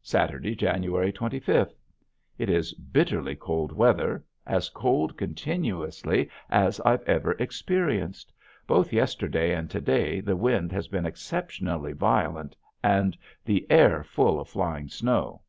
Saturday, January twenty fifth. It is bitterly cold weather, as cold continuously as I've ever experienced. Both yesterday and to day the wind has been exceptionally violent and the air full of flying snow.